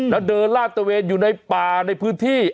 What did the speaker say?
แล้วเดินลาดตะเวนอยู่ในป่าในพื้นที่